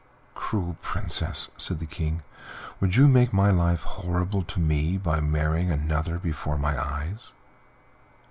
"Cruel Princess!" said the King, "would you make my life horrible to me by marrying another before my eyes?"